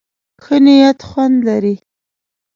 ښه نيت خوند لري.